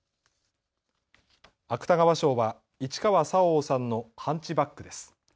芥川賞は市川沙央さんのハンチバックです。